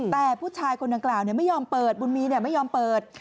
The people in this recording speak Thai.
แต่ผู้ชายคนดังกล่าวไม่ยอมเปิดบุญมีไม่ยอมเปิด